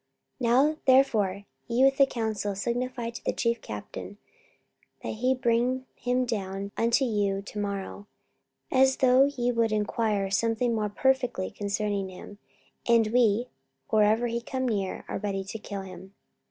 44:023:015 Now therefore ye with the council signify to the chief captain that he bring him down unto you to morrow, as though ye would enquire something more perfectly concerning him: and we, or ever he come near, are ready to kill him.